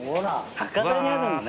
高台にあるんだね。